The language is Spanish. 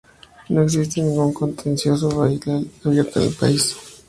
No existe ningún contencioso bilateral abierto con el país.